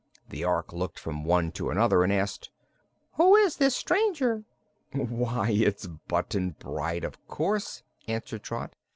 The Ork looked from one to another and asked: "Who is this stranger?" "Why, it's Button Bright, of course," answered Trot.